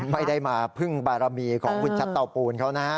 ไม่ได้มาพึ่งบารมีของคุณชัดเตาปูนเขานะฮะ